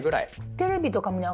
テレビとか見ながら。